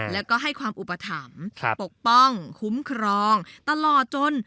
แล้วก็ให้ความอุปถัมภ์ปกป้องคุ้มครองตลอดจน